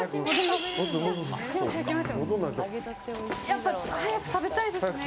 やっぱ、早く食べたいですね。